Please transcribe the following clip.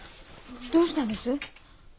どうしたんです？